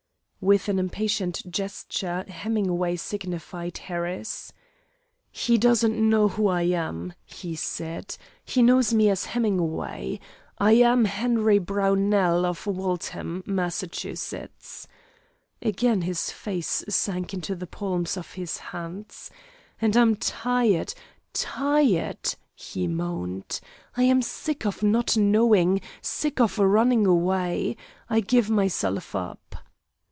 With an impatient gesture Hemingway signified Harris. "He doesn't know who I am," he said. "He knows me as Hemingway. I am Henry Brownell, of Waltham, Mass." Again his face sank into the palms of his hands. "And I'm tired tired," he moaned. "I am sick of not knowing, sick of running away. I give myself up."